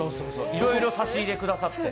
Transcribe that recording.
いろいろ差し入れくださって。